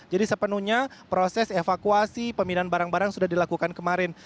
jadi sepenuhnya proses evakuasi pemindahan barang barang sudah dilakukan kemarin